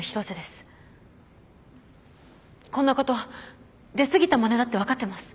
こんなこと出過ぎたまねだって分かってます。